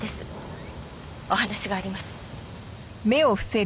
お話があります。